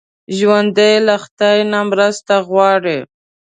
ژوندي له خدای نه مرسته غواړي